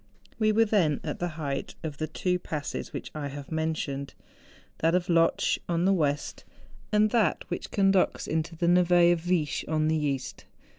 We were then at the height of the two passes which I have mentioned, that of Lotsch on the west, and that which conducts into the nhe of Viesch on the east.